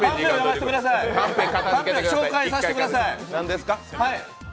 カンペ、紹介させてください！